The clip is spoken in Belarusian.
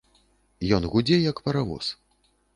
Ён гудзе, як паравоз.